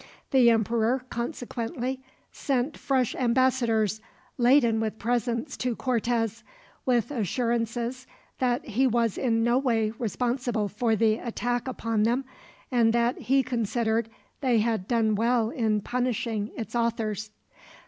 The emperor consequently sent fresh ambassadors laden with presents to Cortez, with assurances that he was in no way responsible for the attack upon them, and that he considered they had done well in punishing its authors.